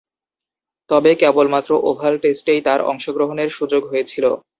তবে, কেবলমাত্র ওভাল টেস্টেই তার অংশগ্রহণের সুযোগ হয়েছিল।